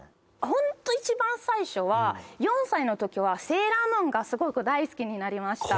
ホント一番最初は４歳の時は「セーラームーン」がすごく大好きになりました